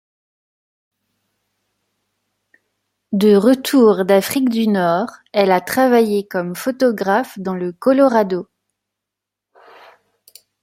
De retour d'Afrique du Nord, elle a travaillé comme photographe dans le Colorado.